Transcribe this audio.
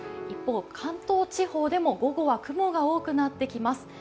一方、関東地方でも午後は雲が多くなってきます